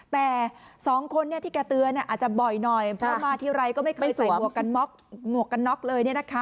แต่สองคนที่แกเตือนอาจจะบ่อยหน่อยเพราะมาทีไรก็ไม่เคยใส่หมวกกันหมวกกันน็อกเลย